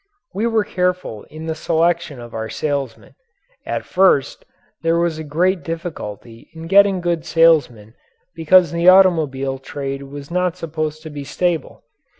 We were careful in the selection of our salesmen. At first there was great difficulty in getting good salesmen because the automobile trade was not supposed to be stable.